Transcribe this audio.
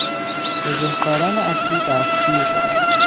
بزهکاران اصلی دستگیر شدند.